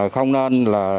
không nên là